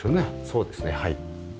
そうですねはい。